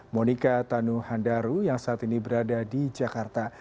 monika tanu handaru yang saat ini berada di jakarta